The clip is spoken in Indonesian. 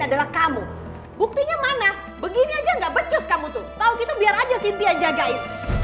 adalah kamu buktinya mana begini aja nggak becus kamu tuh tahu gitu biar aja sinti aja gaya